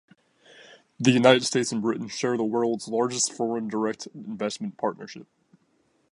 The United States and Britain share the world's largest foreign direct investment partnership.